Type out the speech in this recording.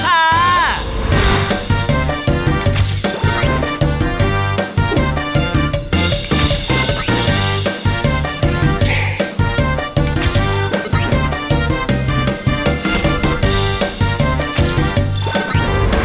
สำหรับแชกอาการรอบนี่